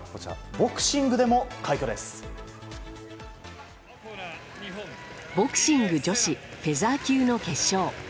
ボクシング女子フェザー級の決勝。